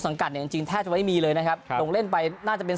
กัดเนี่ยจริงจริงแทบจะไม่มีเลยนะครับลงเล่นไปน่าจะเป็น